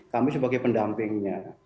kami sebagai pendampingnya